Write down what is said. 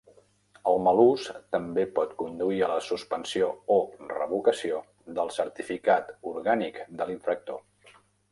El mal ús també pot conduir a la suspensió o revocació del certificat orgànic de l'infractor.